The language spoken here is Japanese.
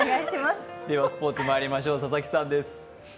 スポ−ツまいりましょう、佐々木さんです。